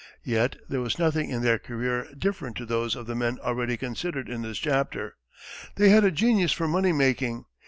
Yet there was nothing in their career different to those of the men already considered in this chapter. They had a genius for money making.